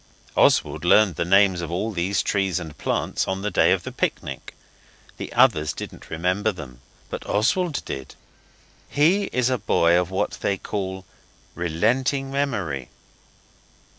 Oswald learned the names of all these trees and plants on the day of the picnic. The others didn't remember them, but Oswald did. He is a boy of what they call relenting memory.